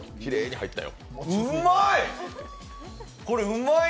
うんまい！